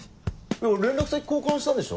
連絡先交換したんでしょ？